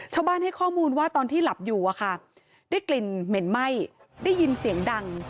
ชาวบ้านให้ข้อมูลว่าตอนที่หลับอยู่อะค่ะได้กลิ่นเหม็นไหม้ได้ยินเสียงดัง